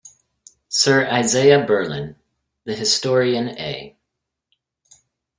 Sir Isaiah Berlin, the historian A.